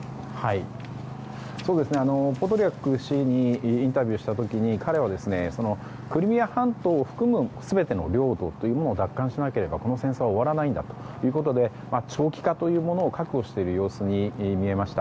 ポドリャク氏にインタビューをした時に彼はクリミア半島を含む全ての領土を奪還しなければ、この戦争は終わらないんだということで長期化というものを覚悟しているように見えました。